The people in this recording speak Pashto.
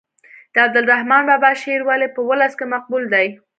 د عبدالرحمان بابا شعر ولې په ولس کې مقبول دی.